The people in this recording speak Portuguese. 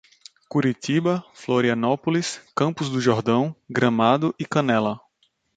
Curitiba, Florianópolis, Campos do Jordão, Gramado e Canela